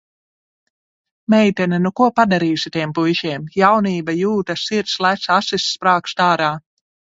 Meitene, nu ko padarīsi tiem puišiem. Jaunība, jūtas, sirds lec, asis sprāgst ārā.